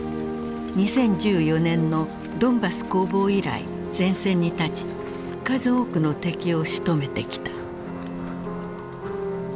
２０１４年のドンバス攻防以来前線に立ち数多くの敵をしとめてきた。